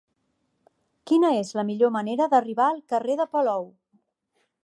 Quina és la millor manera d'arribar al carrer de Palou?